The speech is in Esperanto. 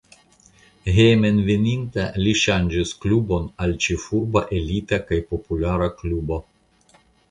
Hejmenveninta li ŝanĝis klubon al ĉefurba elita kaj populara klubo.